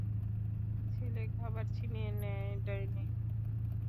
ছেলে খাবার ছিনিয়ে নেয় ডাইনি!